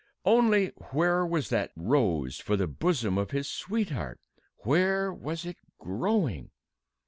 Only, where was that rose for the bosom of his sweetheart where was it growing?